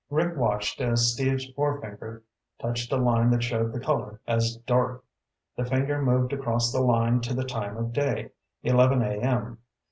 Rick watched as Steve's forefinger touched a line that showed the color as "dark." The finger moved across the line to the time of day, eleven A.M.